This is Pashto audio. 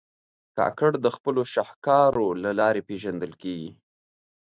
کاکړ د خپلو شهکارو له لارې پېژندل کېږي.